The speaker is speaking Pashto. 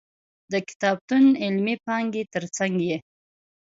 د کتابتون علمي پانګې تر څنګ یې.